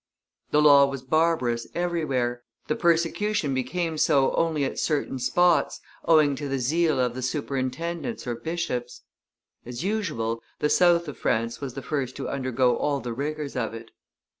The law was barbarous everywhere, the persecution became so only at certain spots, owing to the zeal of the superintendents or bishops; as usual, the south of France was the first to undergo all the rigors of it.